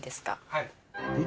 はい。